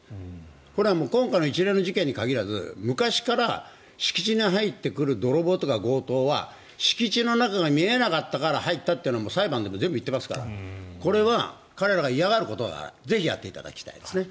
これは今回の一連の事件に限らず昔から敷地に入ってくる泥棒とか強盗は敷地の中が見えなかったから入ったと裁判で全部言っていますから彼らが嫌がることをぜひやっていただきたいですね。